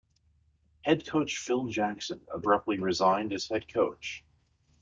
Head coach Phil Jackson abruptly resigned as head coach.